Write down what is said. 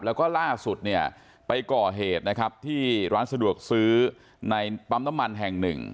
แล้วก็ล่าสุดเนี่ยไปก่อเหตุนะครับที่ร้านสะดวกซื้อในปั๊มน้ำมันแห่งหนึ่ง